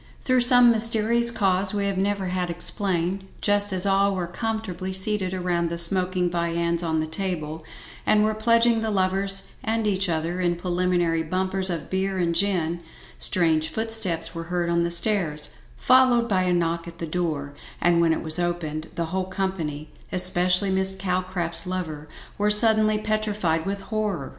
Through some mysterous cause we have never had explained, just as all were comfortably seated around the smoking viands on the table, and were pledging the lovers and each other in preliminary bumpers of beer and gin, strange footsteps were heard on the stairs, followed by a knock at the door, and when it was opened, the whole company, especially Miss Calcraft's lover, were suddenly petrified with horror.